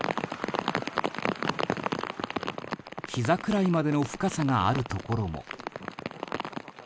ひざくらいまでの深さがあるところも。